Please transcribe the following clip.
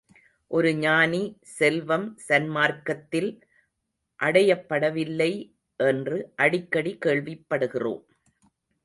ஒரு ஞானி செல்வம் சன்மார்க்கத்தில் அடையப்படவில்லை என்று அடிக்கடி கேள்விப் படுகிறோம்.